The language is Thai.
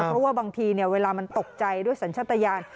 เพราะว่าบางทีเวลามันตกใจด้วยสัญชาติยาน